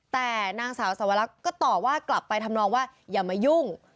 แต่นางสาวสวรรคก็ตอบว่ากลับไปทำนองว่าอย่ามายุ่ง